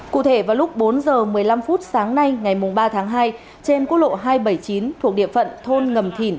cụ thể vào lúc bốn h một mươi năm phút sáng nay ngày ba tháng hai trên quốc lộ hai trăm bảy mươi chín thuộc địa phận thôn ngầm thỉn